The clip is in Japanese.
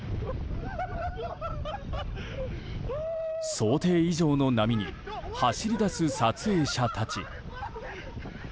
想定以上の波に走り出す撮影者たち。